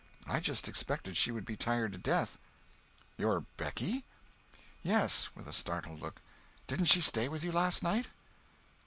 I just expected she would be tired to death." "Your Becky?" "Yes," with a startled look—"didn't she stay with you last night?"